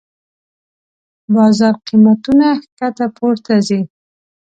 بازار قېمتونه کښته پورته ځي.